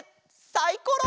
サイコロ！